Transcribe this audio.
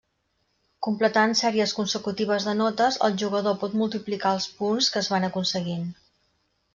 Completant sèries consecutives de notes, el jugador pot multiplicar els punts que es van aconseguint.